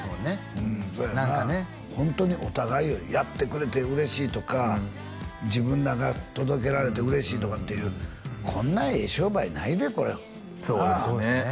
うんそうやなホントにお互いよやってくれて嬉しいとか自分らが届けられて嬉しいとかっていうこんなええ商売ないでこれそうですよね